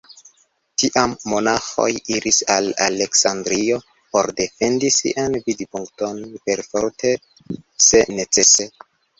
Tiam monaĥoj iris al Aleksandrio por defendi sian vidpunkton, perforte se necese.